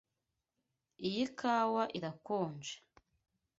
Iyi kawa irakonje.